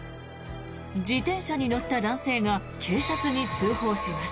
自転車に乗った男性が警察に通報します。